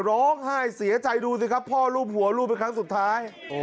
ร้องไห้เสียใจดูสิครับพ่อรูปหัวลูกเป็นครั้งสุดท้าย